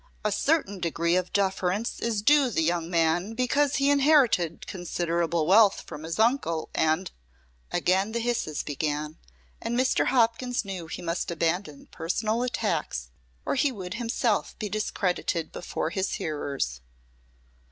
A certain degree of deference is due the young man because he inherited considerable wealth from his uncle, and " Again the hisses began, and Mr. Hopkins knew he must abandon personal attacks or he would himself be discredited before his hearers.